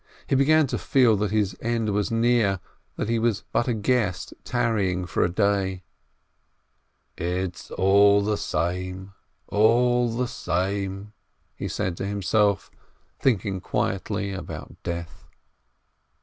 He began to feel that his end was near, that he was but a guest tarrying for a day. "It's all the same, all the same !" he said to himself, thinking quietly about death.